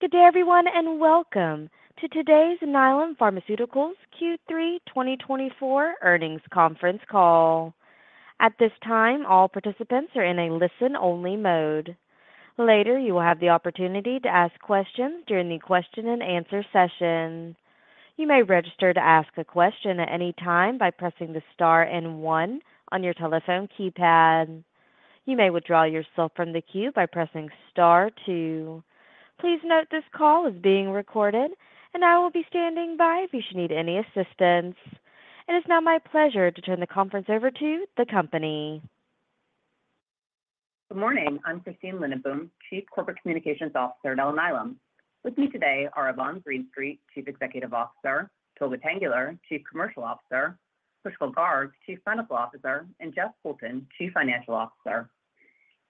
Good day, everyone, and welcome to today's Alnylam Pharmaceuticals Q3 2024 Earnings Conference Call. At this time, all participants are in a listen-only mode. Later, you will have the opportunity to ask questions during the question-and-answer session. You may register to ask a question at any time by pressing the star and one on your telephone keypad. You may withdraw yourself from the queue by pressing star two. Please note this call is being recorded, and I will be standing by if you should need any assistance. It is now my pleasure to turn the conference over to the company. Good morning. I'm Christine Lindenboom, Chief Corporate Communications Officer at Alnylam. With me today are Yvonne Greenstreet, Chief Executive Officer, Tolga Tanguler, Chief Commercial Officer, Pushkal Garg, Chief Medical Officer, and Jeff Poulton, Chief Financial Officer.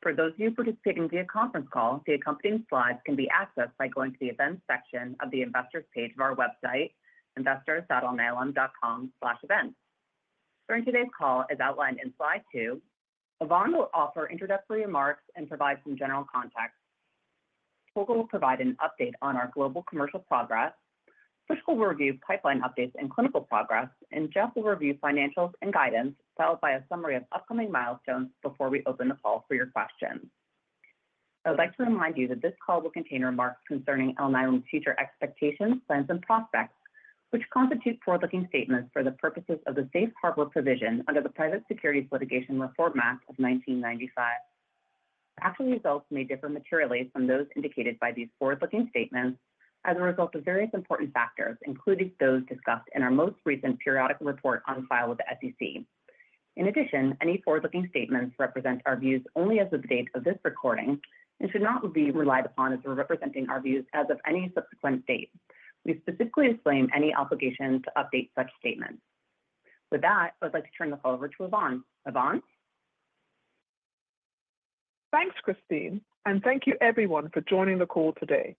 For those of you participating via conference call, the accompanying slides can be accessed by going to the events section of the investors' page of our website, investors.alnylam.com/events. During today's call, as outlined in slide two, Yvonne will offer introductory remarks and provide some general context. Tolga will provide an update on our global commercial progress. Pushkal will review pipeline updates and clinical progress, and Jeff will review financials and guidance, followed by a summary of upcoming milestones before we open the call for your questions. I would like to remind you that this call will contain remarks concerning Alnylam's future expectations, plans, and prospects, which constitute forward-looking statements for the purposes of the Safe Harbor Provision under the Private Securities Litigation Reform Act of 1995. Actual results may differ materially from those indicated by these forward-looking statements as a result of various important factors, including those discussed in our most recent periodic report on file with the SEC. In addition, any forward-looking statements represent our views only as of the date of this recording and should not be relied upon as we're representing our views as of any subsequent date. We specifically explain any obligations to update such statements. With that, I would like to turn the call over to Yvonne. Yvonne? Thanks, Christine, and thank you, everyone, for joining the call today.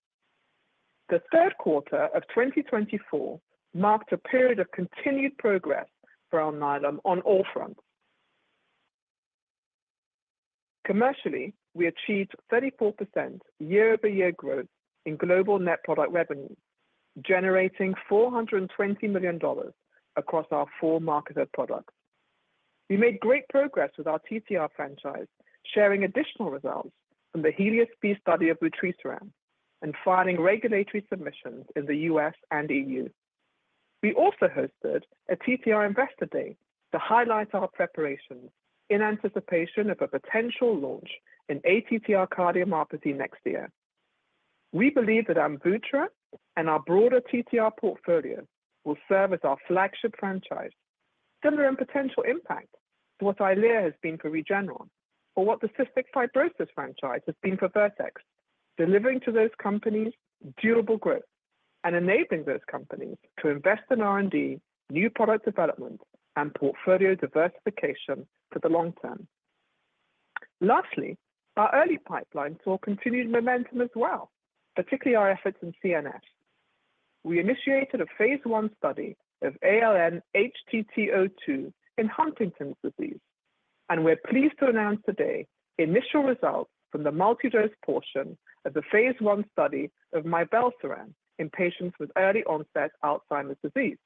The third quarter of 2024 marked a period of continued progress for Alnylam on all fronts. Commercially, we achieved 34% year-over-year growth in global net product revenue, generating $420 million across our four marketed products. We made great progress with our TTR franchise, sharing additional results from HELIOS-B study of vutrisiran and filing regulatory submissions in the U.S. and EU. We also hosted a TTR Investor Day to highlight our preparations in anticipation of a potential launch in ATTR cardiomyopathy next year. We believe that AMVUTTRA and our broader TTR portfolio will serve as our flagship franchise, similar in potential impact to what Eylea has been for Regeneron or what the cystic fibrosis franchise has been for Vertex, delivering to those companies durable growth and enabling those companies to invest in R&D, new product development, and portfolio diversification for the long term. Lastly, our early pipeline saw continued momentum as well, particularly our efforts in CNS. We initiated a phase one study of ALN-HTT02 in Huntington's disease, and we're pleased to announce today initial results from the multidose portion of the phase one study of mivelsiran in patients with early-onset Alzheimer's disease.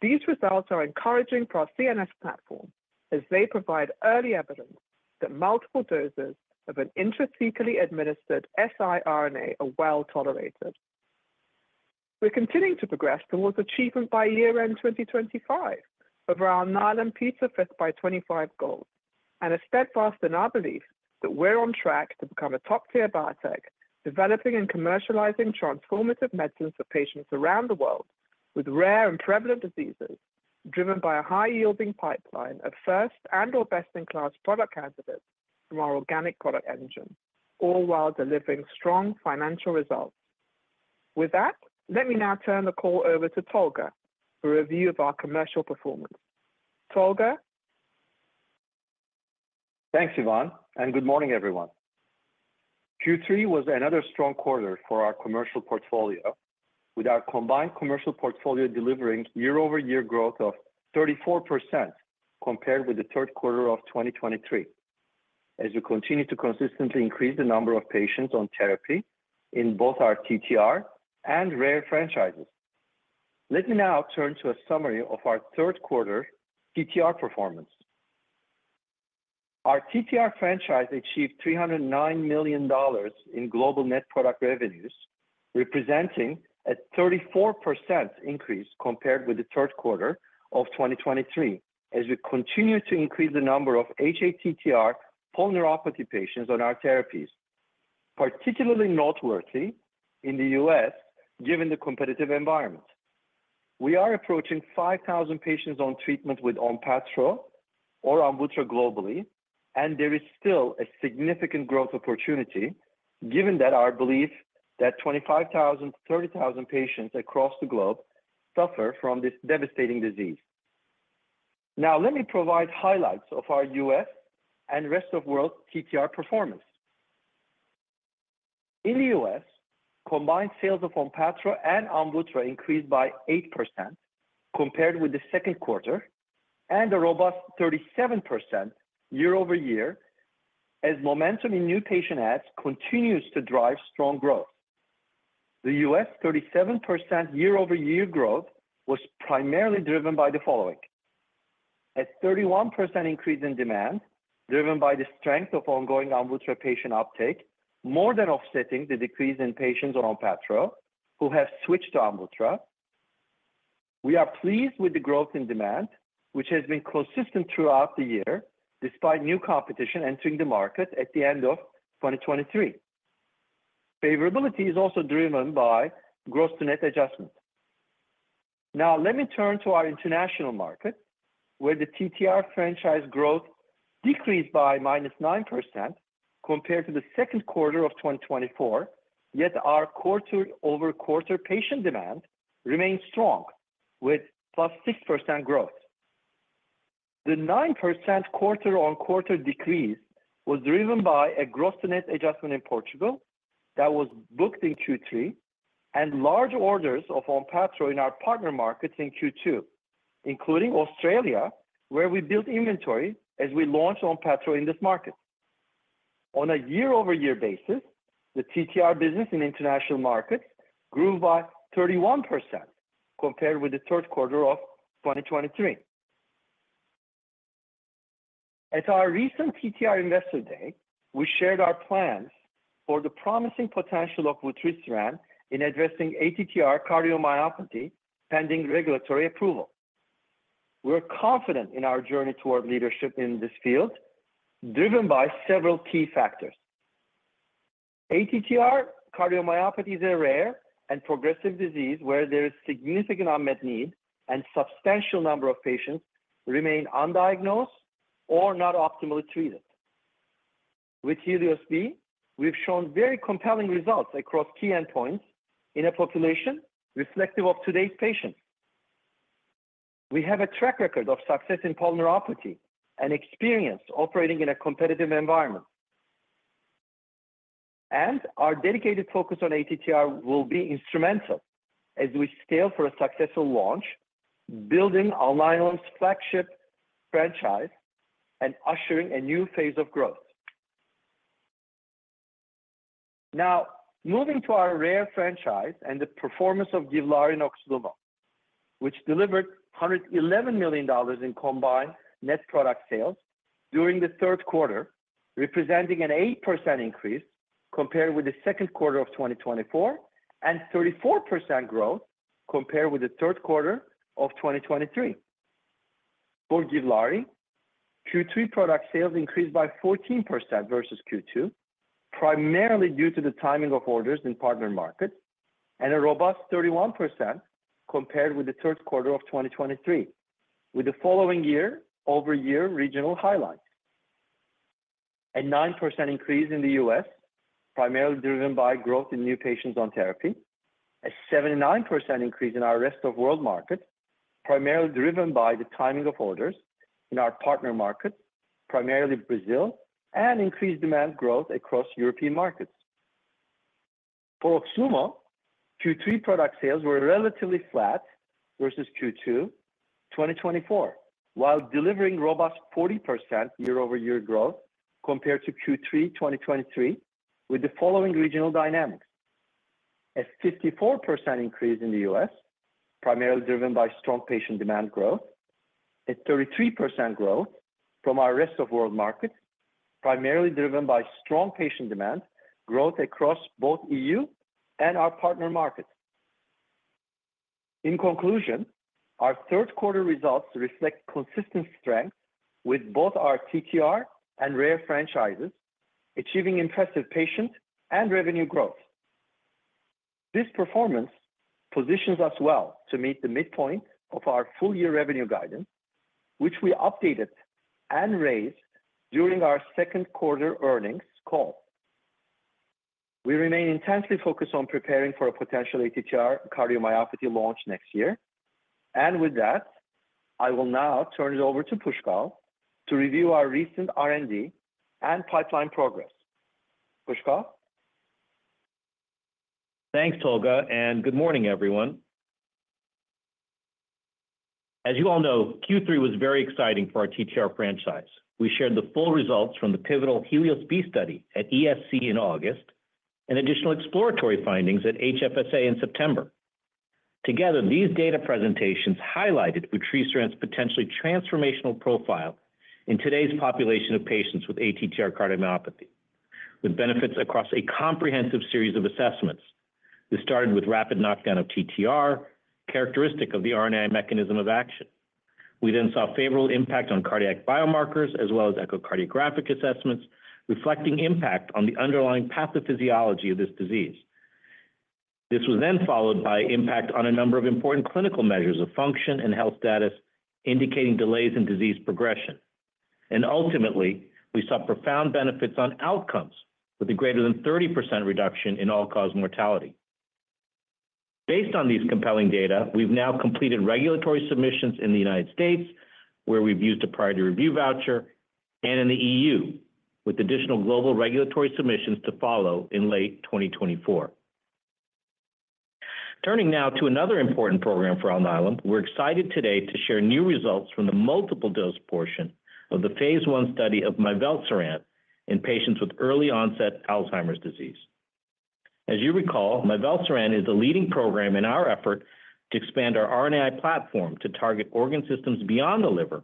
These results are encouraging for our CNS platform as they provide early evidence that multiple doses of an intrathecally administered siRNA are well tolerated. We're continuing to progress towards achievement by year-end 2025 of our Alnylam P5x25 goals and, steadfast in our belief, that we're on track to become a top-tier biotech developing and commercializing transformative medicines for patients around the world with rare and prevalent diseases, driven by a high-yielding pipeline of first and/or best-in-class product candidates from our organic product engine, all while delivering strong financial results. With that, let me now turn the call over to Tolga for a review of our commercial performance. Tolga. Thanks, Yvonne, and good morning, everyone. Q3 was another strong quarter for our commercial portfolio, with our combined commercial portfolio delivering year-over-year growth of 34% compared with the third quarter of 2023, as we continue to consistently increase the number of patients on therapy in both our TTR and rare franchises. Let me now turn to a summary of our third quarter TTR performance. Our TTR franchise achieved $309 million in global net product revenues, representing a 34% increase compared with the third quarter of 2023, as we continue to increase the number of hATTR polyneuropathy patients on our therapies, particularly noteworthy in the U.S. given the competitive environment. We are approaching 5,000 patients on treatment with ONPATTRO or AMVUTTRA globally, and there is still a significant growth opportunity given our belief that 25,000-30,000 patients across the globe suffer from this devastating disease. Now, let me provide highlights of our U.S. and rest of the world TTR performance. In the U.S., combined sales of ONPATTRO and AMVUTTRA increased by 8% compared with the second quarter and a robust 37% year-over-year as momentum in new patient adds continues to drive strong growth. The U.S. 37% year-over-year growth was primarily driven by the following: a 31% increase in demand driven by the strength of ongoing AMVUTTRA patient uptake, more than offsetting the decrease in patients on ONPATTRO who have switched to AMVUTTRA. We are pleased with the growth in demand, which has been consistent throughout the year despite new competition entering the market at the end of 2023. Favorability is also driven by gross-to-net adjustment. Now, let me turn to our international market, where the TTR franchise growth decreased by -9% compared to the second quarter of 2024, yet our quarter-over-quarter patient demand remained strong with +6% growth. The 9% quarter-on-quarter decrease was driven by a gross-to-net adjustment in Portugal that was booked in Q3 and large orders of ONPATTRO in our partner markets in Q2, including Australia, where we built inventory as we launched ONPATTRO in this market. On a year-over-year basis, the TTR business in international markets grew by 31% compared with the third quarter of 2023. At our recent TTR Investor Day, we shared our plans for the promising potential of vutrisiran in addressing ATTR cardiomyopathy pending regulatory approval. We're confident in our journey toward leadership in this field, driven by several key factors. ATTR cardiomyopathy is a rare and progressive disease where there is significant unmet need and a substantial number of patients remain undiagnosed or not optimally treated. HELIOS-B, we've shown very compelling results across key endpoints in a population reflective of today's patients. We have a track record of success in polyneuropathy and experience operating in a competitive environment, and our dedicated focus on ATTR will be instrumental as we scale for a successful launch, building Alnylam's flagship franchise and ushering a new phase of growth. Now, moving to our rare franchise and the performance of GIVLAARI and OXLUMO, which delivered $111 million in combined net product sales during the third quarter, representing an 8% increase compared with the second quarter of 2024 and 34% growth compared with the third quarter of 2023. For GIVLAARI, Q3 product sales increased by 14% versus Q2, primarily due to the timing of orders in partner markets and a robust 31% compared with the third quarter of 2023, with the following year-over-year regional highlights: a 9% increase in the U.S., primarily driven by growth in new patients on therapy, a 79% increase in our rest-of-world markets, primarily driven by the timing of orders in our partner markets, primarily Brazil, and increased demand growth across European markets. For OXLUMO, Q3 product sales were relatively flat versus Q2 2024, while delivering robust 40% year-over-year growth compared to Q3 2023, with the following regional dynamics: a 54% increase in the U.S., primarily driven by strong patient demand growth, a 33% growth from our rest-of-world markets, primarily driven by strong patient demand growth across both E.U. and our partner markets. In conclusion, our third-quarter results reflect consistent strength with both our TTR and rare franchises, achieving impressive patient and revenue growth. This performance positions us well to meet the midpoint of our full-year revenue guidance, which we updated and raised during our second-quarter earnings call. We remain intensely focused on preparing for a potential ATTR cardiomyopathy launch next year, and with that, I will now turn it over to Pushkal to review our recent R&D and pipeline progress. Pushkal. Thanks, Tolga, and good morning, everyone. As you all know, Q3 was very exciting for our TTR franchise. We shared the full results from the HELIOS-B study at ESC in August and additional exploratory findings at HFSA in September. Together, these data presentations highlighted vutrisiran's potentially transformational profile in today's population of patients with ATTR cardiomyopathy, with benefits across a comprehensive series of assessments. This started with rapid knockdown of TTR, characteristic of the RNAi mechanism of action. We then saw a favorable impact on cardiac biomarkers as well as echocardiographic assessments, reflecting impact on the underlying pathophysiology of this disease. This was then followed by impact on a number of important clinical measures of function and health status, indicating delays in disease progression. And ultimately, we saw profound benefits on outcomes, with a greater than 30% reduction in all-cause mortality. Based on these compelling data, we've now completed regulatory submissions in the United States, where we've used a priority review voucher, and in the EU, with additional global regulatory submissions to follow in late 2024. Turning now to another important program for Alnylam, we're excited today to share new results from the multiple-dose portion of the phase I study of mivelsiran in patients with early-onset Alzheimer's disease. As you recall, mivelsiran is a leading program in our effort to expand our RNAi platform to target organ systems beyond the liver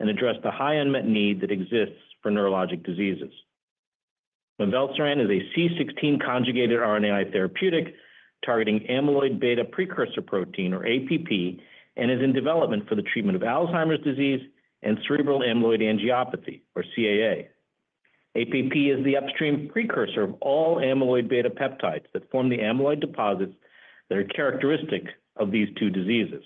and address the high unmet need that exists for neurologic diseases. Mivelsiran is a C16 conjugated RNAi therapeutic targeting amyloid precursor protein, or APP, and is in development for the treatment of Alzheimer's disease and cerebral amyloid angiopathy, or CAA. APP is the upstream precursor of all amyloid beta peptides that form the amyloid deposits that are characteristic of these two diseases.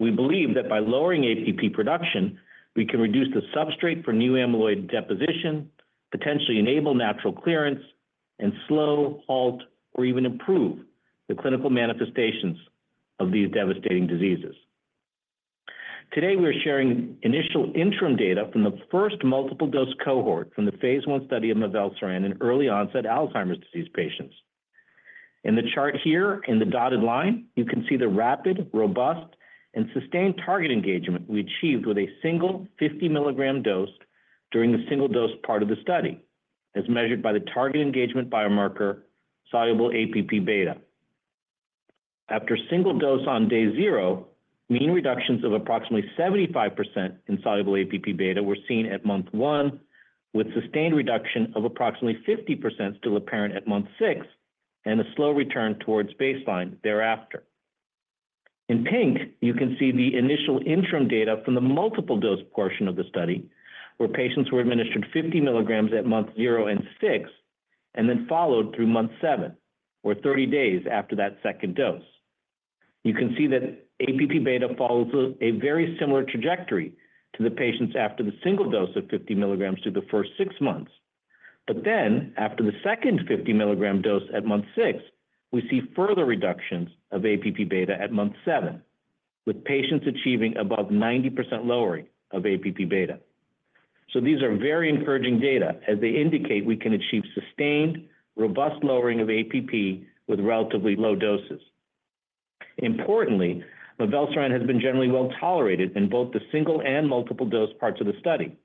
We believe that by lowering APP production, we can reduce the substrate for new amyloid deposition, potentially enable natural clearance, and slow, halt, or even improve the clinical manifestations of these devastating diseases. Today, we are sharing initial interim data from the first multiple-dose cohort from the phase one study of mivelsiran in early-onset Alzheimer's disease patients. In the chart here, in the dotted line, you can see the rapid, robust, and sustained target engagement we achieved with a single 50-milligram dose during the single-dose part of the study, as measured by the target engagement biomarker soluble APP beta. After single dose on day zero, mean reductions of approximately 75% in soluble APP beta were seen at month one, with sustained reduction of approximately 50% still apparent at month six and a slow return towards baseline thereafter. In pink, you can see the initial interim data from the multiple-dose portion of the study, where patients were administered 50 milligrams at month zero and six, and then followed through month seven, or 30 days after that second dose. You can see that APP beta follows a very similar trajectory to the patients after the single dose of 50 milligrams through the first six months, but then after the second 50-milligram dose at month six, we see further reductions of APP beta at month seven, with patients achieving above 90% lowering of APP beta. These are very encouraging data as they indicate we can achieve sustained, robust lowering of APP with relatively low doses. Importantly, mivelsiran has been generally well tolerated in both the single and multiple-dose parts of the study.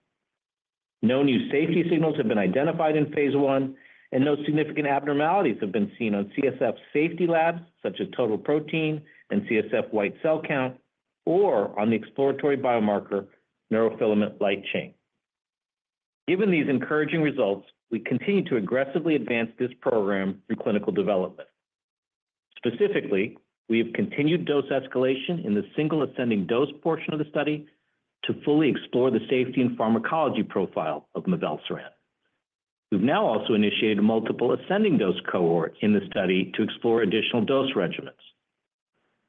No new safety signals have been identified in phase I, and no significant abnormalities have been seen on CSF safety labs such as total protein and CSF white cell count, or on the exploratory biomarker neurofilament light chain. Given these encouraging results, we continue to aggressively advance this program through clinical development. Specifically, we have continued dose escalation in the single ascending dose portion of the study to fully explore the safety and pharmacology profile of mivelsiran. We've now also initiated a multiple ascending dose cohort in the study to explore additional dose regimens.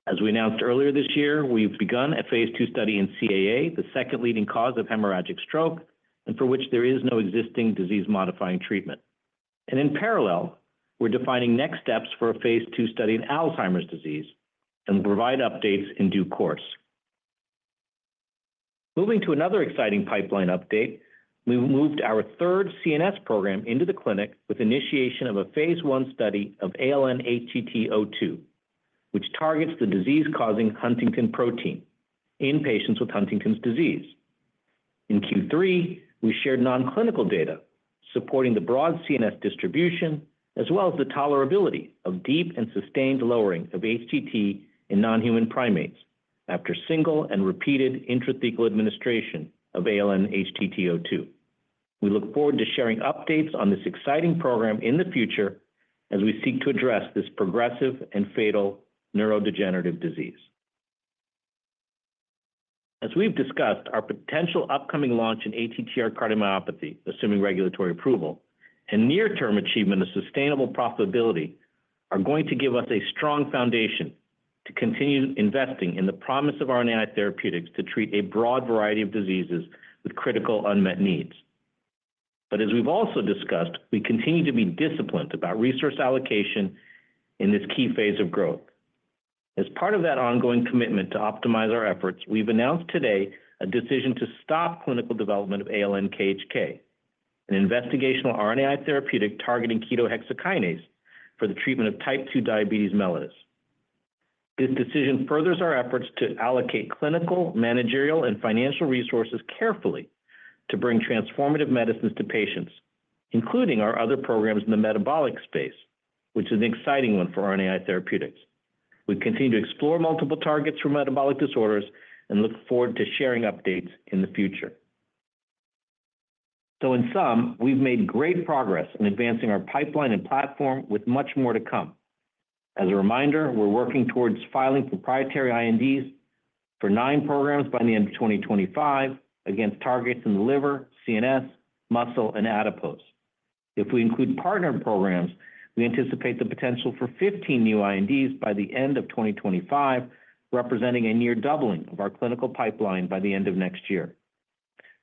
As we announced earlier this year, we've begun a phase II study in CAA, the second leading cause of hemorrhagic stroke, and for which there is no existing disease-modifying treatment. And in parallel, we're defining next steps for a phase II study in Alzheimer's disease and will provide updates in due course. Moving to another exciting pipeline update, we moved our third CNS program into the clinic with initiation of a phase one study of ALN-HTT02, which targets the disease-causing Huntington protein in patients with Huntington's disease. In Q3, we shared nonclinical data supporting the broad CNS distribution as well as the tolerability of deep and sustained lowering of HTT in non-human primates after single and repeated intrathecal administration of ALN-HTT02. We look forward to sharing updates on this exciting program in the future as we seek to address this progressive and fatal neurodegenerative disease. As we've discussed, our potential upcoming launch in ATTR cardiomyopathy, assuming regulatory approval and near-term achievement of sustainable profitability, are going to give us a strong foundation to continue investing in the promise of RNAi therapeutics to treat a broad variety of diseases with critical unmet needs. But as we've also discussed, we continue to be disciplined about resource allocation in this key phase of growth. As part of that ongoing commitment to optimize our efforts, we've announced today a decision to stop clinical development of ALN-KHK, an investigational RNAi therapeutic targeting ketohexokinase for the treatment of Type 2 diabetes mellitus. This decision furthers our efforts to allocate clinical, managerial, and financial resources carefully to bring transformative medicines to patients, including our other programs in the metabolic space, which is an exciting one for RNAi therapeutics. We continue to explore multiple targets for metabolic disorders and look forward to sharing updates in the future. So in sum, we've made great progress in advancing our pipeline and platform with much more to come. As a reminder, we're working towards filing proprietary INDs for nine programs by the end of 2025 against targets in the liver, CNS, muscle, and adipose. If we include partner programs, we anticipate the potential for 15 new INDs by the end of 2025, representing a near doubling of our clinical pipeline by the end of next year.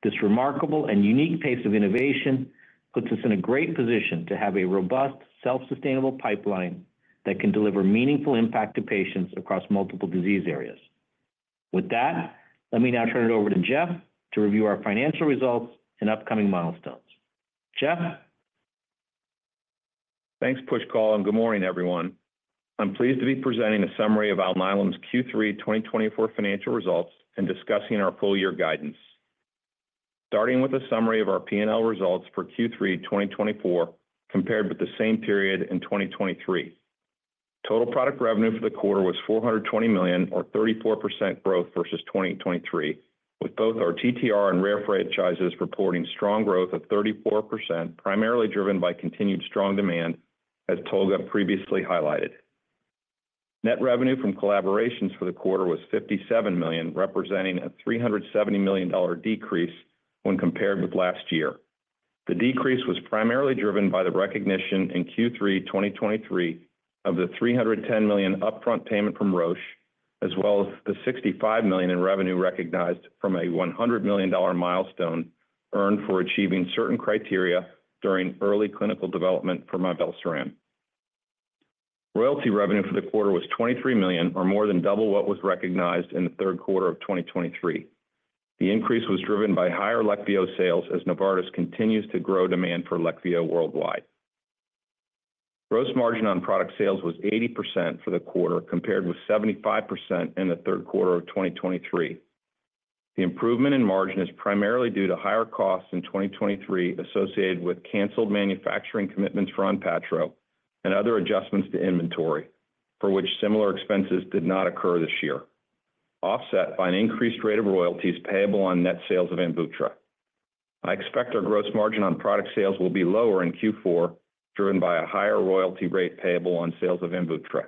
This remarkable and unique pace of innovation puts us in a great position to have a robust, self-sustainable pipeline that can deliver meaningful impact to patients across multiple disease areas. With that, let me now turn it over to Jeff to review our financial results and upcoming milestones. Jeff? Thanks, Pushkal, and good morning, everyone. I'm pleased to be presenting a summary of Alnylam's Q3 2024 financial results and discussing our full-year guidance, starting with a summary of our P&L results for Q3 2024 compared with the same period in 2023. Total product revenue for the quarter was $420 million, or 34% growth versus 2023, with both our TTR and rare franchises reporting strong growth of 34%, primarily driven by continued strong demand, as Tolga previously highlighted. Net revenue from collaborations for the quarter was $57 million, representing a $370 million decrease when compared with last year. The decrease was primarily driven by the recognition in Q3 2023 of the $310 million upfront payment from Roche, as well as the $65 million in revenue recognized from a $100 million milestone earned for achieving certain criteria during early clinical development for mivelsiran. Royalty revenue for the quarter was $23 million, or more than double what was recognized in the third quarter of 2023. The increase was driven by higher Leqvio sales as Novartis continues to grow demand for Leqvio worldwide. Gross margin on product sales was 80% for the quarter, compared with 75% in the third quarter of 2023. The improvement in margin is primarily due to higher costs in 2023 associated with canceled manufacturing commitments for ONPATTRO and other adjustments to inventory, for which similar expenses did not occur this year, offset by an increased rate of royalties payable on net sales of AMVUTTRA. I expect our gross margin on product sales will be lower in Q4, driven by a higher royalty rate payable on sales of AMVUTTRA.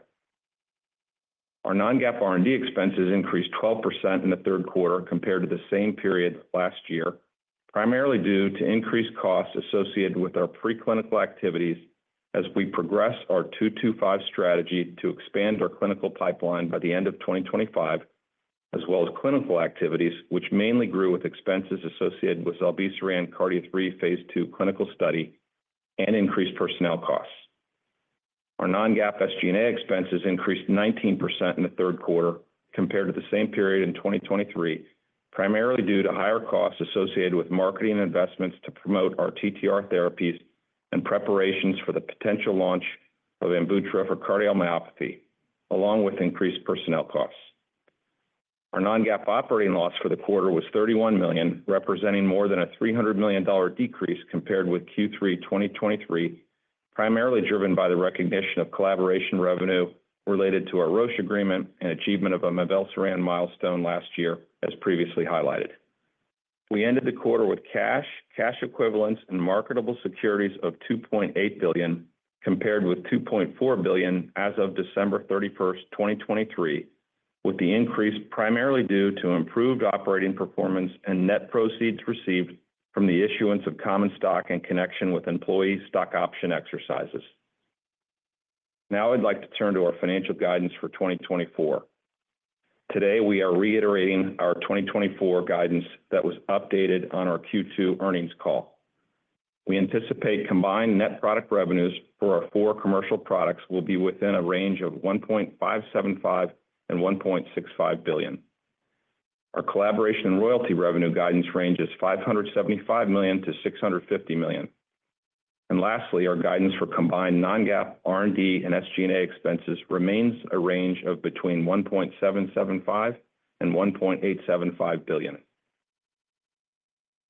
Our non-GAAP R&D expenses increased 12% in the third quarter compared to the same period last year, primarily due to increased costs associated with our preclinical activities as we progress our 2-2-5 Strategy to expand our clinical pipeline by the end of 2025, as well as clinical activities, which mainly grew with expenses associated with zilebesiran KARDIA-3 phase II clinical study and increased personnel costs. Our non-GAAP SG&A expenses increased 19% in the third quarter compared to the same period in 2023, primarily due to higher costs associated with marketing investments to promote our TTR therapies and preparations for the potential launch of AMVUTTRA for cardiomyopathy, along with increased personnel costs. Our non-GAAP operating loss for the quarter was $31 million, representing more than a $300 million decrease compared with Q3 2023, primarily driven by the recognition of collaboration revenue related to our Roche agreement and achievement of a mivelsiran milestone last year, as previously highlighted. We ended the quarter with cash, cash equivalents, and marketable securities of $2.8 billion, compared with $2.4 billion as of December 31, 2023, with the increase primarily due to improved operating performance and net proceeds received from the issuance of common stock in connection with employee stock option exercises. Now I'd like to turn to our financial guidance for 2024. Today, we are reiterating our 2024 guidance that was updated on our Q2 earnings call. We anticipate combined net product revenues for our four commercial products will be within a range of $1.575-$1.65 billion. Our collaboration and royalty revenue guidance ranges $575 million-$650 million. And lastly, our guidance for combined non-GAAP R&D and SG&A expenses remains a range of between $1.775 and $1.875 billion.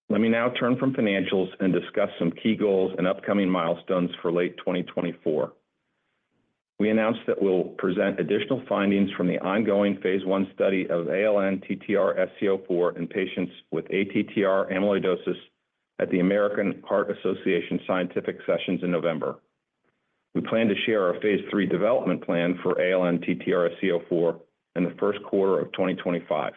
Let me now turn from financials and discuss some key goals and upcoming milestones for late 2024. We announced that we'll present additional findings from the ongoing phase one study of ALN-TTR-SC04 in patients with ATTR amyloidosis at the American Heart Association Scientific Sessions in November. We plan to share our phase III development plan for ALN-TTR-SC04 in the first quarter of 2025.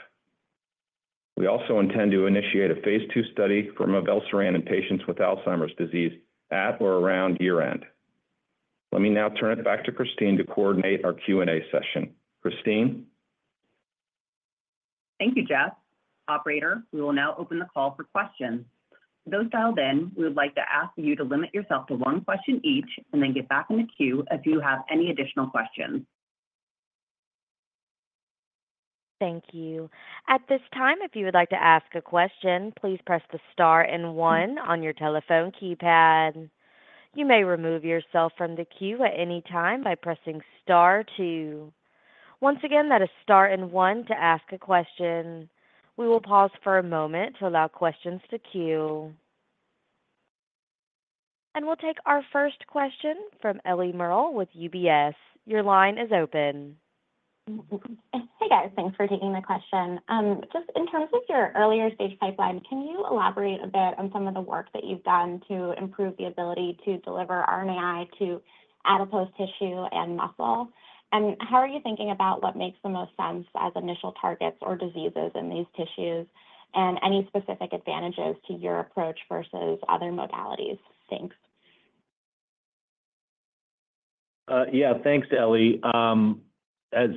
We also intend to initiate a phase II study for mivelsiran in patients with Alzheimer's disease at or around year-end. Let me now turn it back to Christine to coordinate our Q&A session. Christine? Thank you, Jeff. Operator, we will now open the call for questions. For those dialed in, we would like to ask you to limit yourself to one question each and then get back in the queue if you have any additional questions. Thank you. At this time, if you would like to ask a question, please press the star and one on your telephone keypad. You may remove yourself from the queue at any time by pressing star two. Once again, that is star and one to ask a question. We will pause for a moment to allow questions to queue, and we'll take our first question from Ellie Merle with UBS. Your line is open. Hey, guys. Thanks for taking the question. Just in terms of your earlier stage pipeline, can you elaborate a bit on some of the work that you've done to improve the ability to deliver RNAi to adipose tissue and muscle? And how are you thinking about what makes the most sense as initial targets or diseases in these tissues and any specific advantages to your approach versus other modalities? Thanks. Yeah, thanks, Ellie. As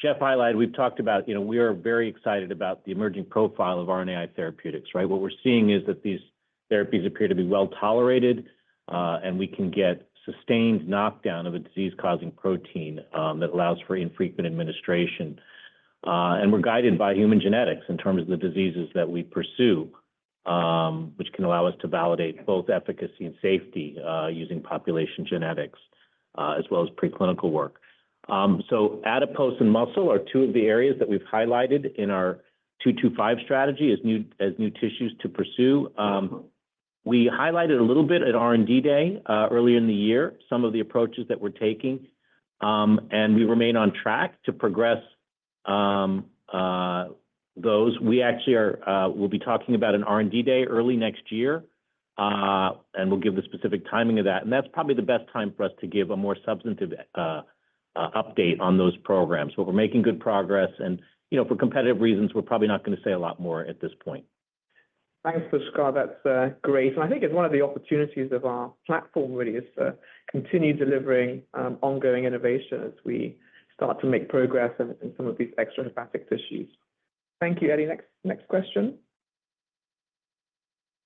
Jeff highlighted, we've talked about we are very excited about the emerging profile of RNAi therapeutics, right? What we're seeing is that these therapies appear to be well tolerated, and we can get sustained knockdown of a disease-causing protein that allows for infrequent administration. And we're guided by human genetics in terms of the diseases that we pursue, which can allow us to validate both efficacy and safety using population genetics as well as preclinical work. So adipose and muscle are two of the areas that we've highlighted in our 2-2-5 Strategy as new tissues to pursue. We highlighted a little bit at R&D Day earlier in the year, some of the approaches that we're taking. And we remain on track to progress those. We actually will be talking about an R&D Day early next year, and we'll give the specific timing of that. And that's probably the best time for us to give a more substantive update on those programs. But we're making good progress. And for competitive reasons, we're probably not going to say a lot more at this point. Thanks, Pushkal. That's great. And I think it's one of the opportunities of our platform, really, is to continue delivering ongoing innovation as we start to make progress in some of these extra hepatic tissues. Thank you, Ellie. Next question.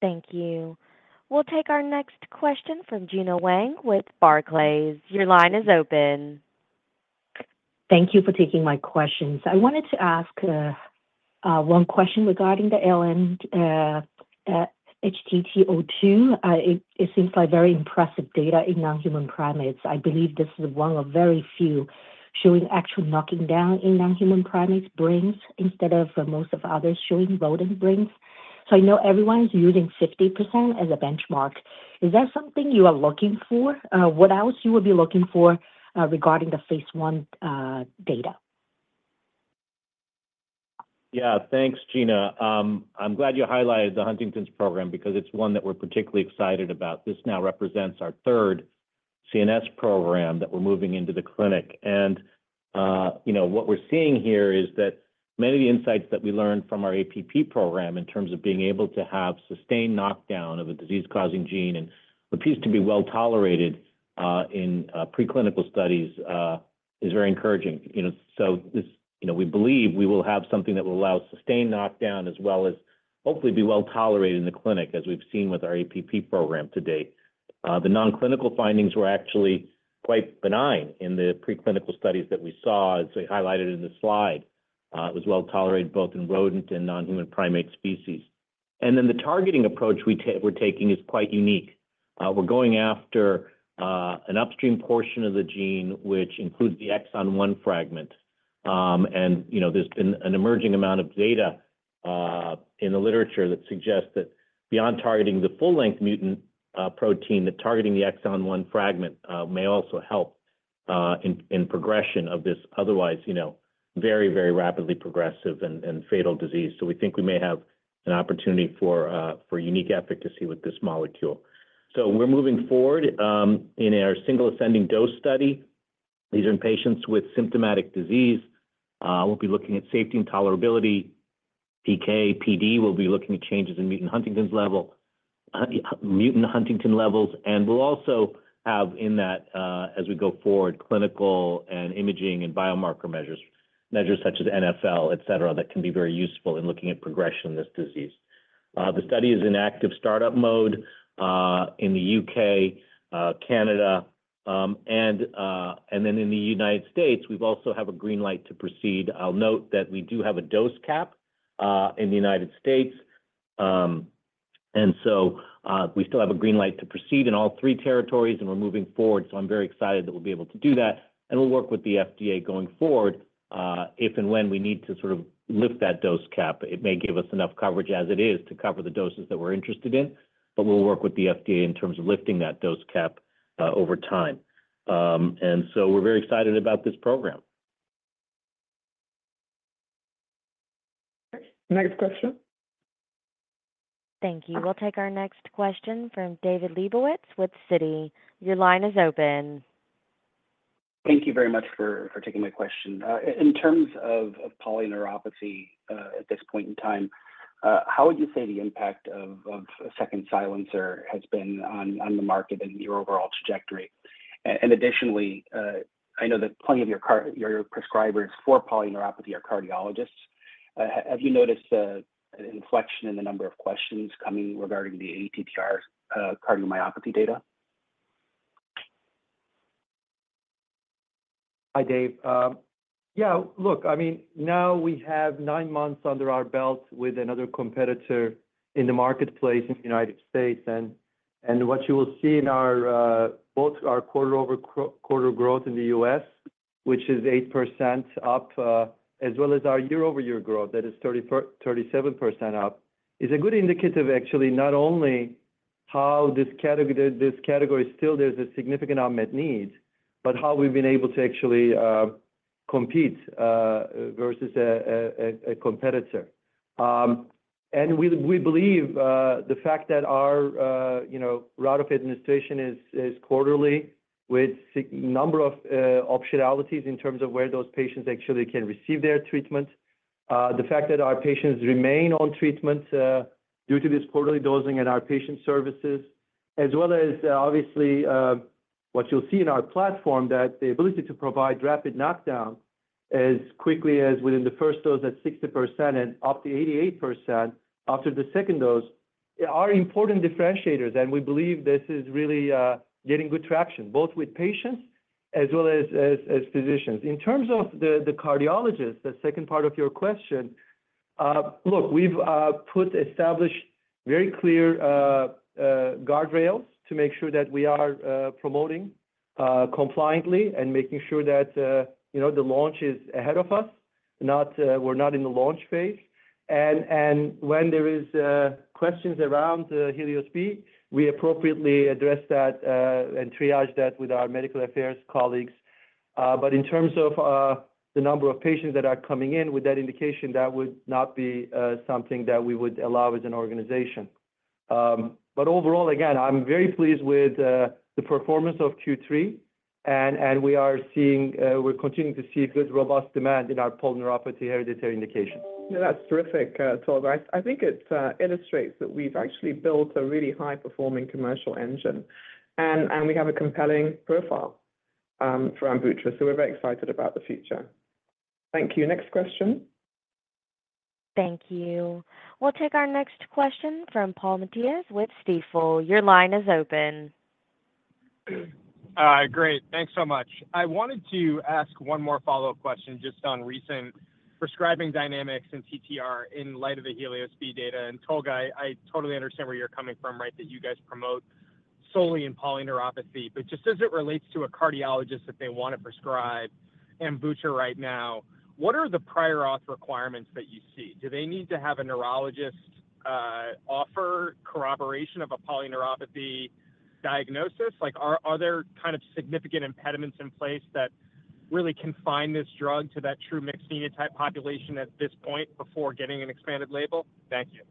Thank you. We'll take our next question from Gena Wang with Barclays. Your line is open. Thank you for taking my questions. I wanted to ask one question regarding the ALN-HTT02. It seems like very impressive data in non-human primates. I believe this is one of very few showing actual knocking down in non-human primates brains instead of most of others showing rodent brains. So I know everyone is using 50% as a benchmark. Is that something you are looking for? What else you would be looking for regarding the phase one data? Yeah, thanks, Gena. I'm glad you highlighted the Huntington's program because it's one that we're particularly excited about. This now represents our third CNS program that we're moving into the clinic, and what we're seeing here is that many of the insights that we learned from our APP program in terms of being able to have sustained knockdown of a disease-causing gene and appears to be well tolerated in preclinical studies is very encouraging, so we believe we will have something that will allow sustained knockdown as well as hopefully be well tolerated in the clinic, as we've seen with our APP program to date. The non-clinical findings were actually quite benign in the preclinical studies that we saw, as we highlighted in the slide. It was well tolerated both in rodent and non-human primate species, and then the targeting approach we're taking is quite unique. We're going after an upstream portion of the gene, which includes the exon one fragment, and there's been an emerging amount of data in the literature that suggests that beyond targeting the full-length mutant protein, that targeting the exon one fragment may also help in progression of this otherwise very, very rapidly progressive and fatal disease, so we think we may have an opportunity for unique efficacy with this molecule, so we're moving forward in our single ascending dose study. These are in patients with symptomatic disease. We'll be looking at safety and tolerability, PK, PD. We'll be looking at changes in mutant Huntington's level, mutant Huntington levels, and we'll also have in that, as we go forward, clinical and imaging and biomarker measures, measures such as NFL, etc., that can be very useful in looking at progression in this disease. The study is in active startup mode in the UK, Canada, and then in the United States. We also have a green light to proceed. I'll note that we do have a dose cap in the United States. And so we still have a green light to proceed in all three territories, and we're moving forward. So I'm very excited that we'll be able to do that. And we'll work with the FDA going forward. If and when we need to sort of lift that dose cap, it may give us enough coverage as it is to cover the doses that we're interested in. But we'll work with the FDA in terms of lifting that dose cap over time. And so we're very excited about this program. Next question. Thank you. We'll take our next question from David Lebowitz with Citi. Your line is open. Thank you very much for taking my question. In terms of polyneuropathy at this point in time, how would you say the impact of a second silencer has been on the market and your overall trajectory? And additionally, I know that plenty of your prescribers for polyneuropathy are cardiologists. Have you noticed an inflection in the number of questions coming regarding the ATTR cardiomyopathy data? Hi, Dave. Yeah, look, I mean, now we have nine months under our belt with another competitor in the marketplace in the United States. And what you will see in both our quarter-over-quarter growth in the U.S., which is 8% up, as well as our year-over-year growth that is 37% up, is a good indicator of actually not only how this category still there's a significant unmet need, but how we've been able to actually compete versus a competitor. We believe the fact that our route of administration is quarterly with a number of optionalities in terms of where those patients actually can receive their treatment, the fact that our patients remain on treatment due to this quarterly dosing and our patient services, as well as obviously what you'll see in our platform, that the ability to provide rapid knockdown as quickly as within the first dose at 60% and up to 88% after the second dose are important differentiators. We believe this is really getting good traction both with patients as well as physicians. In terms of the cardiologists, the second part of your question, look, we've put established very clear guardrails to make sure that we are promoting compliantly and making sure that the launch is ahead of us. We're not in the launch phase. When there are questions HELIOS-B, we appropriately address that and triage that with our medical affairs colleagues. In terms of the number of patients that are coming in with that indication, that would not be something that we would allow as an organization. Overall, again, I'm very pleased with the performance of Q3. We are seeing we're continuing to see good robust demand in our hereditary polyneuropathy indications. Yeah, that's terrific, Tolga. I think it illustrates that we've actually built a really high-performing commercial engine, and we have a compelling profile for AMVUTTRA, so we're very excited about the future. Thank you. Next question. Thank you. We'll take our next question from Paul Matteis with Stifel. Your line is open. Hi, great. Thanks so much. I wanted to ask one more follow-up question just on recent prescribing dynamics and TTR in light of HELIOS-B data. And Tolga, I totally understand where you're coming from, right, that you guys promote solely in polyneuropathy. But just as it relates to a cardiologist that they want to prescribe AMVUTTRA right now, what are the prior auth requirements that you see? Do they need to have a neurologist offer corroboration of a polyneuropathy diagnosis? Are there kind of significant impediments in place that really confine this drug to that true mixed phenotype population at this point before getting an expanded label? Thank you.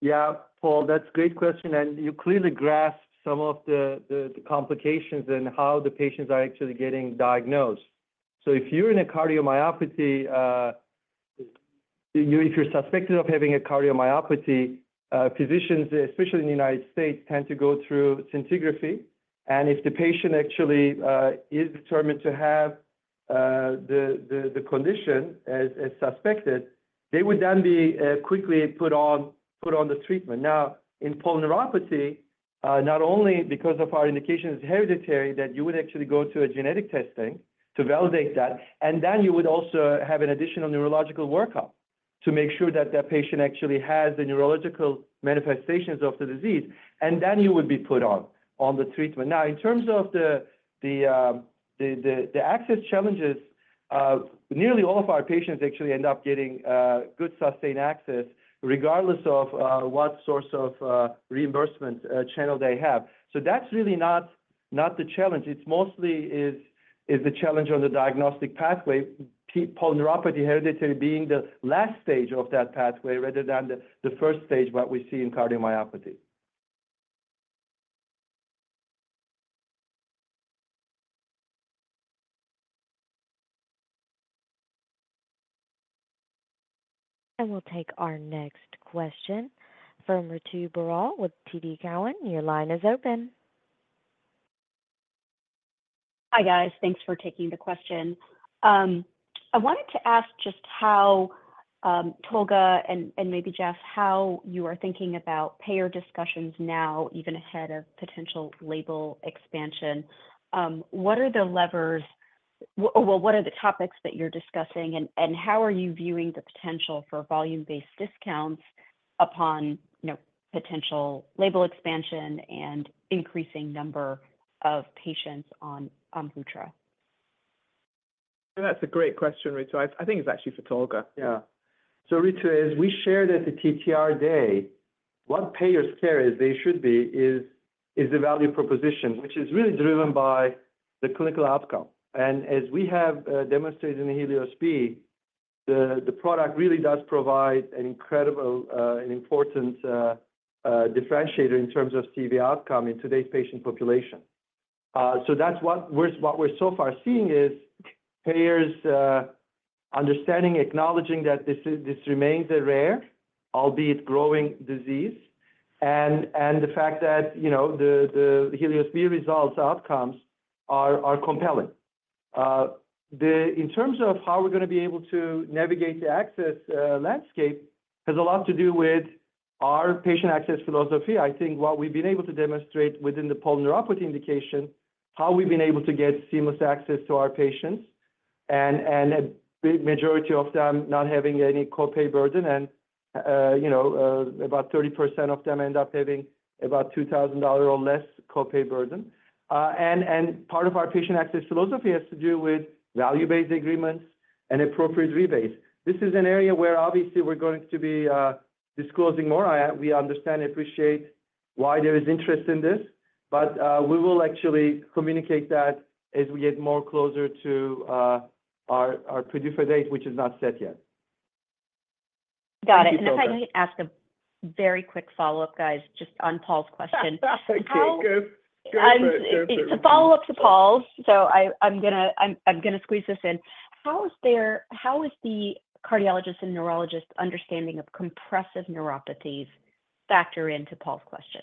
Yeah, Paul, that's a great question, and you clearly grasp some of the complications and how the patients are actually getting diagnosed. So if you're in a cardiomyopathy, if you're suspected of having a cardiomyopathy, physicians, especially in the United States, tend to go through scintigraphy, and if the patient actually is determined to have the condition as suspected, they would then be quickly put on the treatment. Now, in polyneuropathy, not only because of our indications hereditary that you would actually go to a genetic testing to validate that, and then you would also have an additional neurological workup to make sure that that patient actually has the neurological manifestations of the disease, and then you would be put on the treatment. Now, in terms of the access challenges, nearly all of our patients actually end up getting good sustained access regardless of what source of reimbursement channel they have. So that's really not the challenge. It's mostly the challenge on the diagnostic pathway, hereditary polyneuropathy being the last stage of that pathway rather than the first stage, what we see in cardiomyopathy. And we'll take our next question from Ritu Baral with TD Cowen. Your line is open. Hi, guys. Thanks for taking the question. I wanted to ask just how, Tolga and maybe Jeff, how you are thinking about payer discussions now, even ahead of potential label expansion. What are the levers or what are the topics that you're discussing, and how are you viewing the potential for volume-based discounts upon potential label expansion and increasing number of patients on AMVUTTRA? That's a great question, Ritu. I think it's actually for Tolga. Yeah. So Ritu is we shared at the TTR day. What payers care is they should be is the value proposition, which is really driven by the clinical outcome. And as we have demonstrated in HELIOS-B, the product really does provide an incredible and important differentiator in terms of CV outcome in today's patient population. So that's what we're so far seeing is payers understanding, acknowledging that this remains a rare, albeit growing disease, and the fact that HELIOS-B results outcomes are compelling. In terms of how we're going to be able to navigate the access landscape has a lot to do with our patient access philosophy. I think what we've been able to demonstrate within the polyneuropathy indication, how we've been able to get seamless access to our patients, and a majority of them not having any copay burden, and about 30% of them end up having about $2,000 or less copay burden, and part of our patient access philosophy has to do with value-based agreements and appropriate rebates. This is an area where obviously we're going to be disclosing more. We understand and appreciate why there is interest in this, but we will actually communicate that as we get more closer to our PDUFA date, which is not set yet. Got it. And if I can ask a very quick follow-up, guys, just on Paul's question. It's a follow-up to Paul's. So I'm going to squeeze this in. How is the cardiologist and neurologist understanding of compressive neuropathies factor into Paul's question?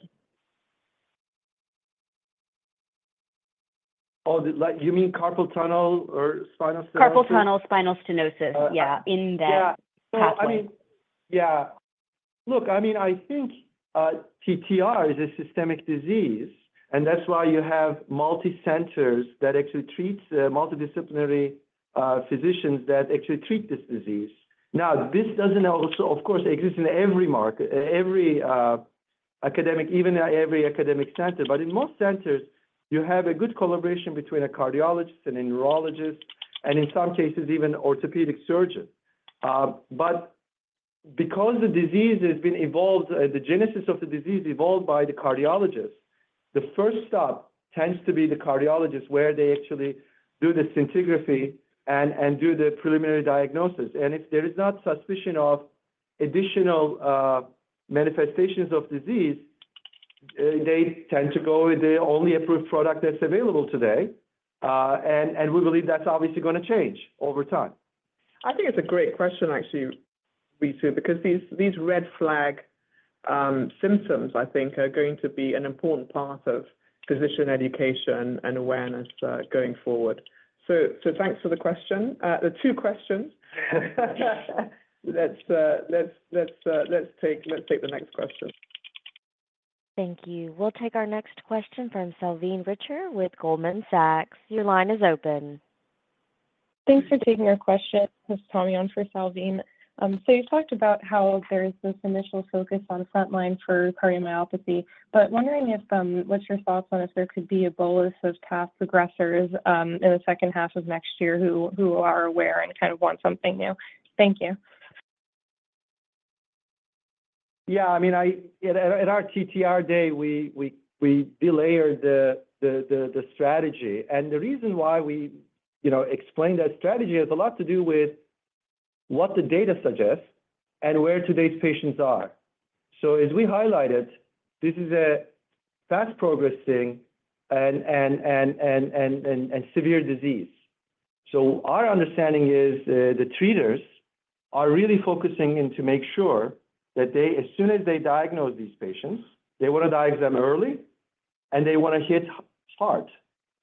Oh, you mean carpal tunnel or spinal stenosis? Carpal tunnel, spinal stenosis, yeah, in that pathway. Yeah. Look, I mean, I think TTR is a systemic disease, and that's why you have multi-centers that actually treat multidisciplinary physicians that actually treat this disease. Now, this doesn't also, of course, exist in every market, even every academic center. But in most centers, you have a good collaboration between a cardiologist and a neurologist, and in some cases, even orthopedic surgeon. But because the disease has been evolved, the genesis of the disease evolved by the cardiologist, the first stop tends to be the cardiologist where they actually do the scintigraphy and do the preliminary diagnosis. And if there is not suspicion of additional manifestations of disease, they tend to go with the only approved product that's available today. And we believe that's obviously going to change over time. I think it's a great question, actually, Ritu, because these red flag symptoms, I think, are going to be an important part of physician education and awareness going forward. So thanks for the question. The two questions. Let's take the next question. Thank you. We'll take our next question from Salveen Richter with Goldman Sachs. Your line is open. Thanks for taking our question. This is Tommy Owens for Salveen. So you talked about how there is this initial focus on frontline for cardiomyopathy. But wondering what's your thoughts on if there could be a bolus of past progressors in the second half of next year who are aware and kind of want something new? Thank you. Yeah. I mean, at our TTR day, we delayered the strategy. And the reason why we explained that strategy has a lot to do with what the data suggests and where today's patients are. So as we highlighted, this is a fast-progressing and severe disease. So our understanding is the treaters are really focusing in to make sure that as soon as they diagnose these patients, they want to diagnose them early, and they want to hit hard,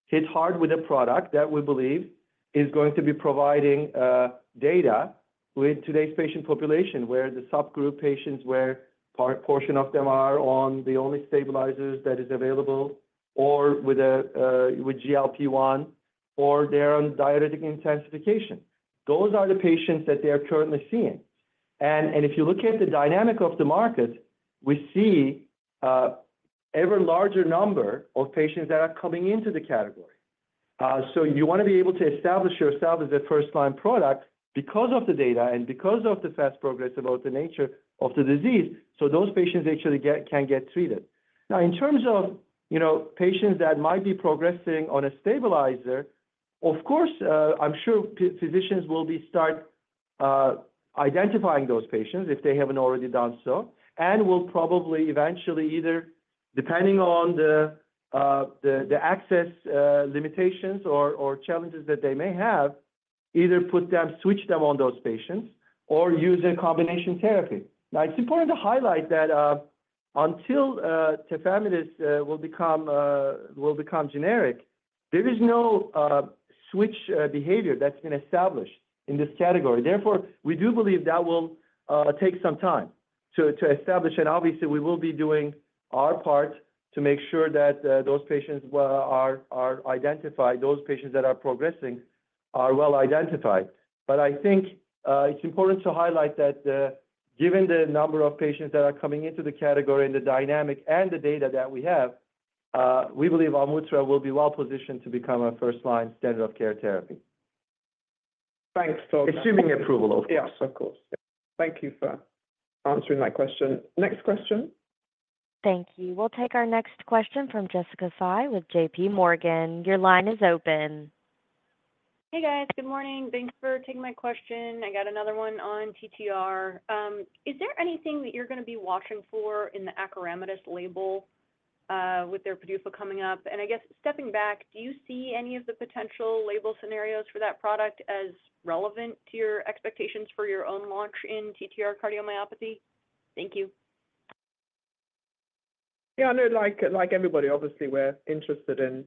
hit hard with a product that we believe is going to be providing data with today's patient population where the subgroup patients, where a portion of them are on the only stabilizers that is available or with GLP-1 or they're on diuretic intensification. Those are the patients that they are currently seeing. And if you look at the dynamic of the market, we see ever larger number of patients that are coming into the category. So you want to be able to establish yourself as a first-line product because of the data and because of the fast progression of the nature of the disease. So those patients actually can get treated. Now, in terms of patients that might be progressing on a stabilizer, of course, I'm sure physicians will start identifying those patients if they haven't already done so. And we'll probably eventually either, depending on the access limitations or challenges that they may have, either switch them on those patients or use a combination therapy. Now, it's important to highlight that until tafamidis will become generic, there is no switch behavior that's been established in this category. Therefore, we do believe that will take some time to establish. Obviously, we will be doing our part to make sure that those patients are identified, those patients that are progressing are well identified. But I think it's important to highlight that given the number of patients that are coming into the category and the dynamic and the data that we have, we believe AMVUTTRA will be well positioned to become a first-line standard of care therapy. Thanks, Tolga. Assuming approval, of course. Yes, of course. Thank you for answering my question. Next question. Thank you. We'll take our next question from Jessica Fye with JPMorgan. Your line is open. Hey, guys. Good morning. Thanks for taking my question. I got another one on TTR. Is there anything that you're going to be watching for in the acoramidis label with their PDUFA coming up? And I guess stepping back, do you see any of the potential label scenarios for that product as relevant to your expectations for your own launch in TTR cardiomyopathy? Thank you. Yeah. Like everybody, obviously, we're interested in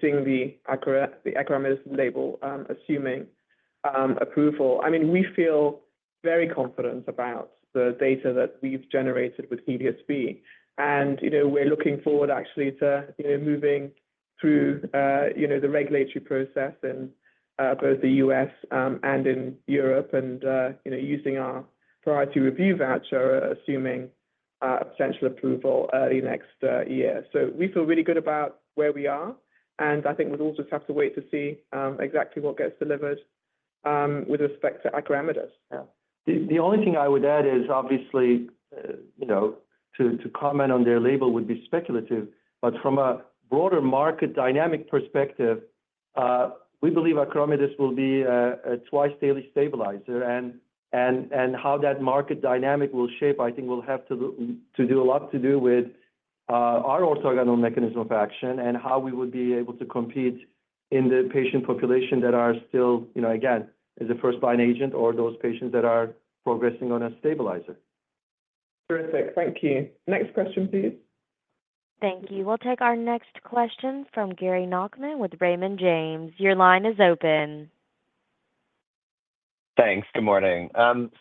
seeing the acoramidis label, assuming approval. I mean, we feel very confident about the data that we've generated HELIOS-B. And we're looking forward actually to moving through the regulatory process in both the U.S. and in Europe and using our priority review voucher, assuming a potential approval early next year. So we feel really good about where we are. And I think we'll all just have to wait to see exactly what gets delivered with respect to acoramidis. Yeah. The only thing I would add is obviously to comment on their label would be speculative. But from a broader market dynamic perspective, we believe acoramidis will be a twice-daily stabilizer. And how that market dynamic will shape, I think, will have to do a lot to do with our orthogonal mechanism of action and how we would be able to compete in the patient population that are still, again, as a first-line agent or those patients that are progressing on a stabilizer. Terrific. Thank you. Next question, please. Thank you. We'll take our next question from Gary Nachman with Raymond James. Your line is open. Thanks. Good morning.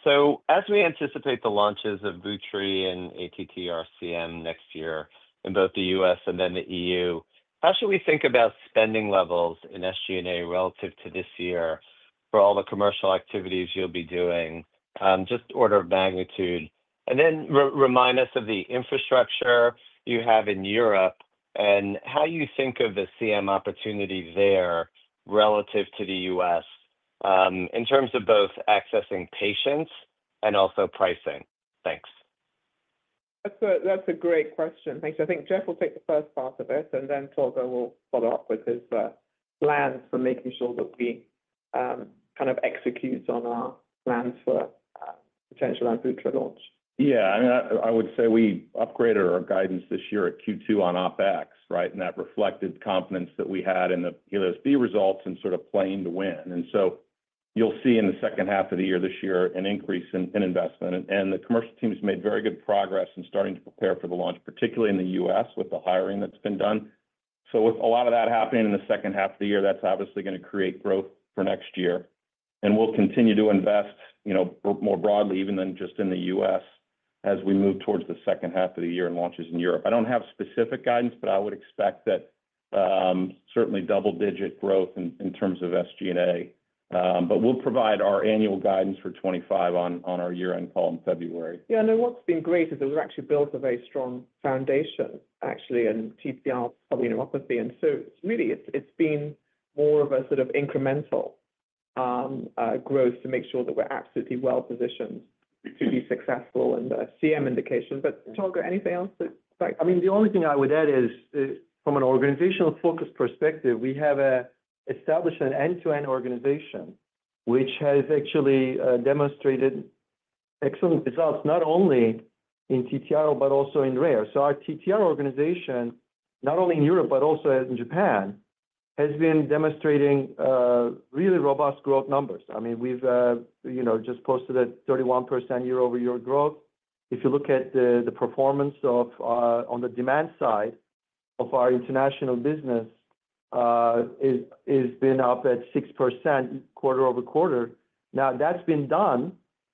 So as we anticipate the launches of Vutri and ATTRCM next year in both the U.S. and then the E.U., how should we think about spending levels in SG&A relative to this year for all the commercial activities you'll be doing, just order of magnitude? And then remind us of the infrastructure you have in Europe and how you think of the CM opportunity there relative to the U.S. in terms of both accessing patients and also pricing. Thanks. That's a great question. Thanks. I think Jeff will take the first part of it, and then Tolga will follow up with his plans for making sure that we kind of execute on our plans for potential AMVUTTRA launch. Yeah. I mean, I would say we upgraded our guidance this year at Q2 on OpEx, right? And that reflected confidence that we had in HELIOS-B results and sort of playing to win. And so you'll see in the second half of the year this year an increase in investment. And the commercial team has made very good progress in starting to prepare for the launch, particularly in the U.S. with the hiring that's been done. So with a lot of that happening in the second half of the year, that's obviously going to create growth for next year. And we'll continue to invest more broadly, even than just in the U.S., as we move towards the second half of the year and launches in Europe. I don't have specific guidance, but I would expect that certainly double-digit growth in terms of SG&A. We'll provide our annual guidance for 2025 on our year-end call in February. Yeah. And what's been great is that we've actually built a very strong foundation, actually, in TTR cardiomyopathy. And so really, it's been more of a sort of incremental growth to make sure that we're absolutely well positioned to be successful in the CM indication. But Tolga, anything else? I mean, the only thing I would add is from an organizational focus perspective, we have established an end-to-end organization which has actually demonstrated excellent results not only in TTR but also in rare, so our TTR organization, not only in Europe but also in Japan, has been demonstrating really robust growth numbers. I mean, we've just posted a 31% year-over-year growth. If you look at the performance on the demand side of our international business, it's been up at 6% quarter over quarter. Now, that's been done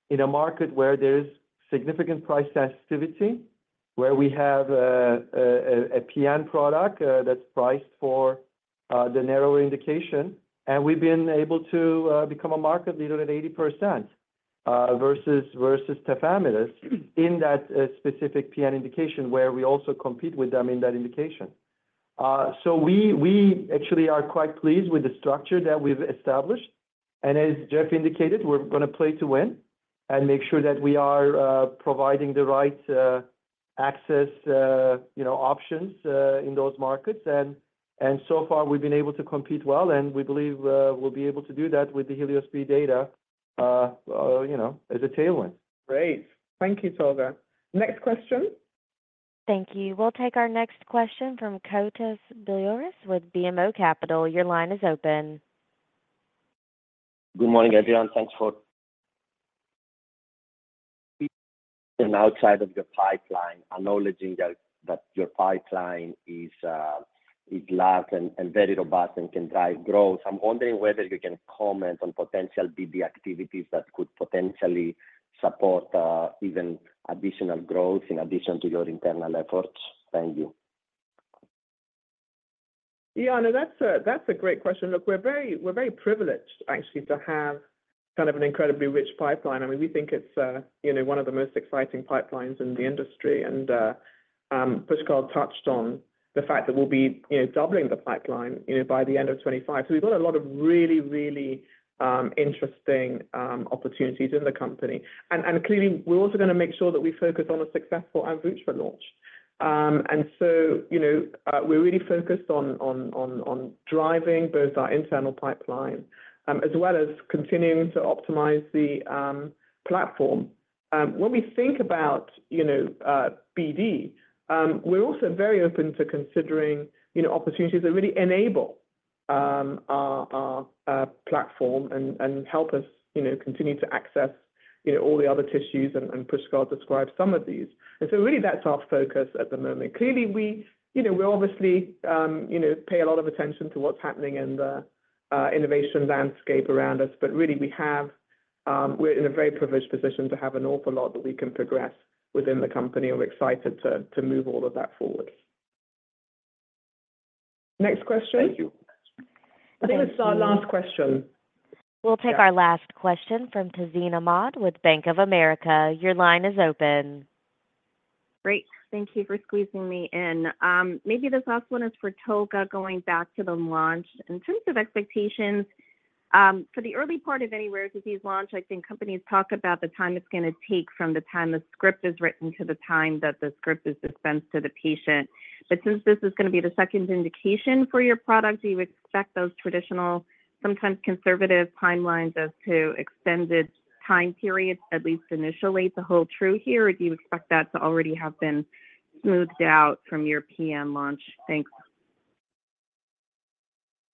in a market where there is significant price sensitivity, where we have a PN product that's priced for the narrower indication, and we've been able to become a market leader at 80% versus tafamidis in that specific PN indication where we also compete with them in that indication, so we actually are quite pleased with the structure that we've established. And as Jeff indicated, we're going to play to win and make sure that we are providing the right access options in those markets. And so far, we've been able to compete well. And we believe we'll be able to do that with HELIOS-B data as a tailwind. Great. Thank you, Tolga. Next question. Thank you. We'll take our next question from Kostas Biliouris with BMO Capital. Your line is open. Good morning, everyone. Thanks for being outside of your pipeline, acknowledging that your pipeline is large and very robust and can drive growth. I'm wondering whether you can comment on potential BD activities that could potentially support even additional growth in addition to your internal efforts. Thank you. Yeah. No, that's a great question. Look, we're very privileged, actually, to have kind of an incredibly rich pipeline. I mean, we think it's one of the most exciting pipelines in the industry. And Pushkal touched on the fact that we'll be doubling the pipeline by the end of 2025. So we've got a lot of really, really interesting opportunities in the company. And clearly, we're also going to make sure that we focus on a successful AMVUTTRA launch. And so we're really focused on driving both our internal pipeline as well as continuing to optimize the platform. When we think about BD, we're also very open to considering opportunities that really enable our platform and help us continue to access all the other tissues and Pushkal described some of these. And so really, that's our focus at the moment. Clearly, we obviously pay a lot of attention to what's happening in the innovation landscape around us. But really, we're in a very privileged position to have an awful lot that we can progress within the company. And we're excited to move all of that forward. Next question. Thank you. I think it's our last question. We'll take our last question from Tazeen Ahmad with Bank of America. Your line is open. Great. Thank you for squeezing me in. Maybe this last one is for Tolga, going back to the launch. In terms of expectations for the early part of any rare disease launch, I think companies talk about the time it's going to take from the time the script is written to the time that the script is dispensed to the patient. But since this is going to be the second indication for your product, do you expect those traditional, sometimes conservative timelines as to extended time periods, at least initially, to hold true here? Or do you expect that to already have been smoothed out from your PN launch?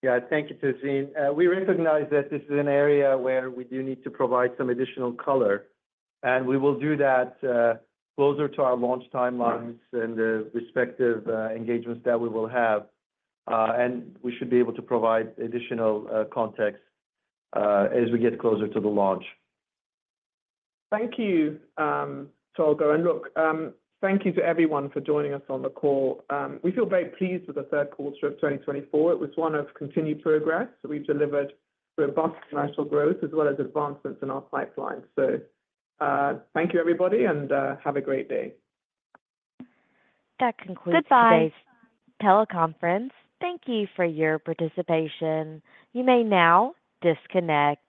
Thanks. Yeah. Thank you, Tazeen. We recognize that this is an area where we do need to provide some additional color. And we will do that closer to our launch timelines and the respective engagements that we will have. And we should be able to provide additional context as we get closer to the launch. Thank you, Tolga. And look, thank you to everyone for joining us on the call. We feel very pleased with the third quarter of 2024. It was one of continued progress. We've delivered robust financial growth as well as advancements in our pipeline. So thank you, everybody, and have a great day. That concludes today's teleconference. Thank you for your participation. You may now disconnect.